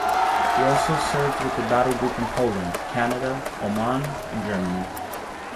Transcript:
He also served with the Battle Group in Poland, Canada, Oman and Germany.